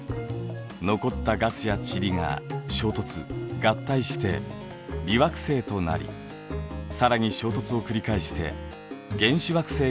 残ったガスや塵が衝突・合体して微惑星となり更に衝突を繰り返して原始惑星が生まれました。